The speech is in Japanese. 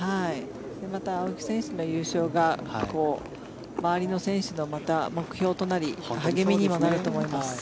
また、青木選手の優勝が周りの選手の目標となり励みにもなると思います。